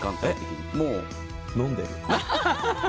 もう飲んでる。